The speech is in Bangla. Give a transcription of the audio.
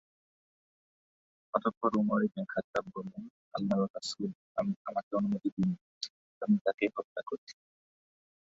অতঃপর উমার ইবনে খাত্তাব বললেনঃ "আল্লাহর রাসূল, আমাকে অনুমতি দিন; আমি তাকে হত্যা করি।"